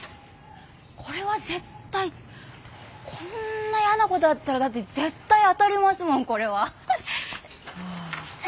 これは絶対こんなやなことあったらだって絶対当たりますもんこれは。ああ。